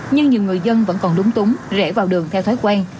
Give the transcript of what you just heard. nhưng nhiều người dân vẫn còn đúng túng rẽ vào đường theo thói quen